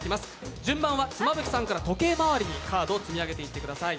順番は妻夫木さんから時計回りにカードを積み上げていってください。